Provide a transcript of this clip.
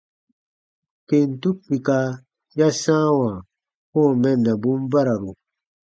Kentu kpika ya sãawa kɔ̃ɔ mɛnnabun bararu.